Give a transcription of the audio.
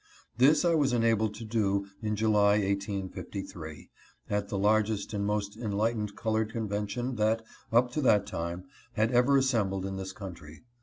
This I was enabled to do in July, 1853, at the largest and most enlightened colored convention that, up to that time, had ever assembled in this country.